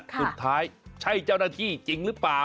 สุดท้ายใช่เจ้าหน้าที่จริงหรือเปล่า